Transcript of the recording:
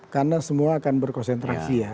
karena semua akan berkonsentrasi ya